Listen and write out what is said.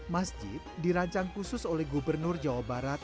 masjid dirancang khusus oleh gubernur jawa barat